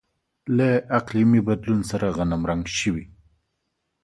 له اقلیمي بدلون سره غنمرنګ شوي.